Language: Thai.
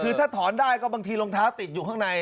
คือถ้าถอนได้ก็บางทีรองเท้าติดอยู่ข้างใน